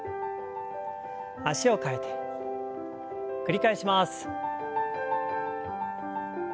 脚を替えて繰り返します。